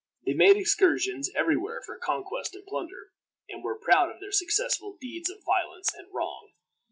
They made excursions every where for conquest and plunder, and were proud of their successful deeds of violence and wrong.